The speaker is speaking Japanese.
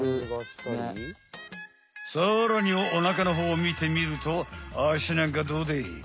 さらにおなかのほうを見てみるとあしなんかどうでい？